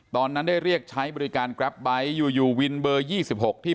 ตอนนั้นได้เรียกใช้บริการแกรปไบท์อยู่อยู่วินเบอร์๒๖ที่